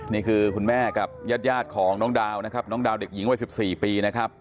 นี่คือคุณแม่กับญาติของน้องดาวนะครับน้องดาวเด็กหญิงวัย๑๔ปีนะครับ